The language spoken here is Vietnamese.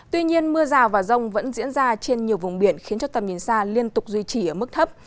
tuy nhiên mưa rào và rông vẫn diễn ra trên nhiều vùng biển khiến cho tầm nhìn xa liên tục duy trì ở mức thấp